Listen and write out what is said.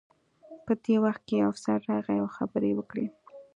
په دې وخت کې یو افسر راغی او خبرې یې وکړې